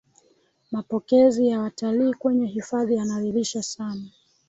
mapokezi ya watalii kwenye hifadhi yanaridhisha sana